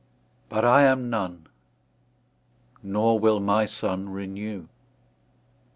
But I am None; nor will my Sunne renew.